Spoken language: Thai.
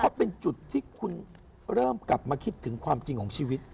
เพราะเป็นจุดที่คุณเริ่มกลับมาคิดถึงความจริงของชีวิต